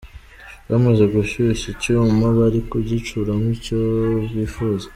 Bamaze gushyushya icyuma bari kugicuramo icyo bifuza.